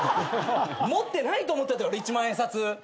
持ってないと思ってたやろ１万円札。